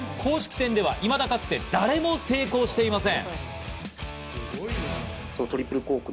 公式戦ではいまだかつて誰も成功していません。